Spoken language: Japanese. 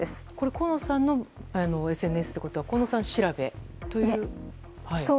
河野さんのＳＮＳということは河野さん調べという。